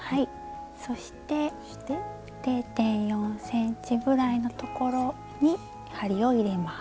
そして０．４ｃｍぐらいのところに針を入れます。